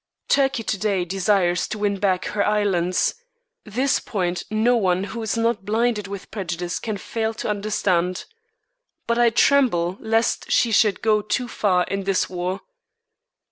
Turkey to day desires to win back her islands; this point no one who is not blinded with prejudice can fail to understand. But I tremble lest she should go too far in this war.